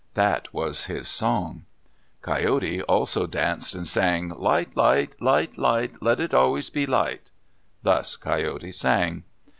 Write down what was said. That was his song. Coyote also danced and sang, Light! light! light! light! Let it always be light! Thus Coyote sang.